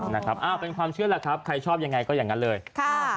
นะครับอ้าวเป็นความเชื่อแหละครับใครชอบยังไงก็อย่างนั้นเลยค่ะ